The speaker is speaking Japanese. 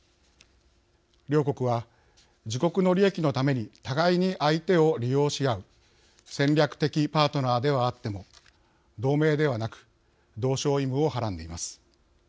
両国は、自国の利益のために互いに相手を利用し合う戦略的パートナーではあっても同盟ではなく同床異夢をはらんでいます。